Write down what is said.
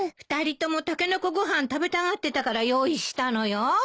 ２人ともたけのこご飯食べたがってたから用意したのよ。